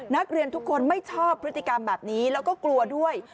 นักเรียนทุกคนไม่ชอบพฤติกรรมแบบนี้แล้วก็กลัวด้วย